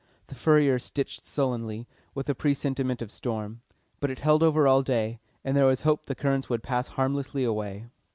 The furriers stitched sullenly, with a presentiment of storm. But it held over all day, and there was hope the currents would pass harmlessly away.